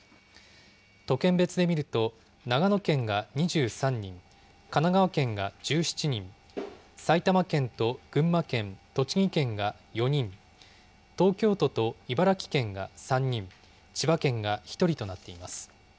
都県別で見ると、長野県が２３人、神奈川県が１７人、埼玉県と群馬県、栃木県が４人、東京都と茨城県が３人、千葉県が１人となっています。